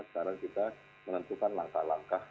sekarang kita menentukan langkah langkah